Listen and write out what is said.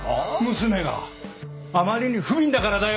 娘があまりに不憫だからだよ。